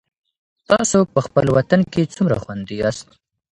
تاسو په خپل وطن کي څومره خوندي یاست؟